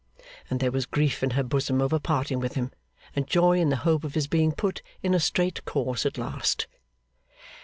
And there was grief in her bosom over parting with him, and joy in the hope of his being put in a straight course at last.